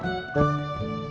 di video selanjutnya